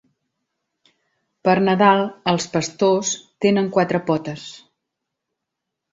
Per Nadal els pastors tenen quatre potes.